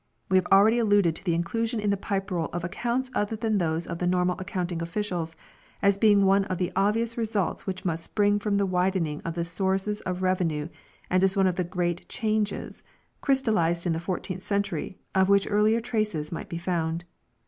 We have already alluded to the inclusion in the Pipe Roll of accounts other than those of the normal accounting officials as being one of the obvious results which must spring from the widening of the sources of revenue and as one of the great changes, crystallized in the fourteenth century, of which earlier traces might be found.